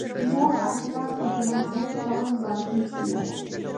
مور او پلار ته درناوی کول واجب دي.